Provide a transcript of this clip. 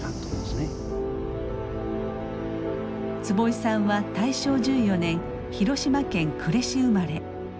坪井さんは大正１４年広島県呉市生まれ。